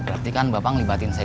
berarti kan bapak ngelibatin saya